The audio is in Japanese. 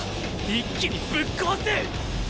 一気にぶっ壊す！